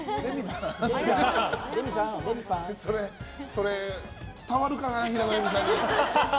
それ、伝わるかな平野レミさんに。